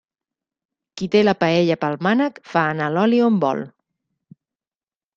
Qui té la paella pel mànec, fa anar l'oli on vol.